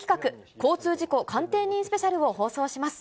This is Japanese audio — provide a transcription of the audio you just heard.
交通事故鑑定人スペシャルを放送します。